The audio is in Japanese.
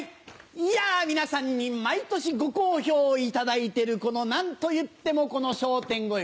いや皆さんに毎年ご好評いただいてるこの何といってもこの「笑点暦」。